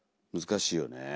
難しいよね。